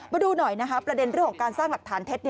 มาดูหน่อยนะคะประเด็นเรื่องของการสร้างหลักฐานเท็จ